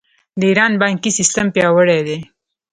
د ایران بانکي سیستم پیاوړی دی.